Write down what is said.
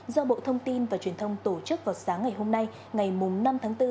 do bộ thông tin và truyền thông tổ chức vào sáng ngày hôm nay ngày năm tháng bốn tại hà nội